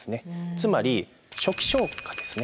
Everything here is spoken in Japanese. つまり初期消火ですね。